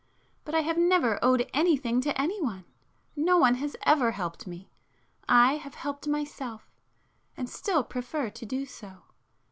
But I have never owed anything to any one,—no one has ever helped me,—I have helped myself, and still prefer to do so.